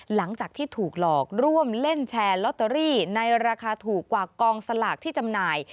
หลังจากที่ถูกหลอกร่วมเล่นแชร์ลอตเตอรี่ในราคาถูกกว่ากองสลากที่จำหน่าย